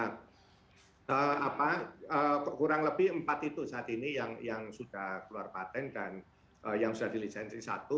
nah kurang lebih empat itu saat ini yang sudah keluar patent dan yang sudah dilisensi satu